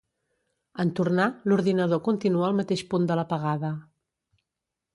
En tornar, l'ordinador continua al mateix punt de l'apagada.